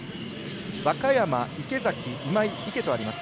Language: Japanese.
若山、池崎、今井、池とあります。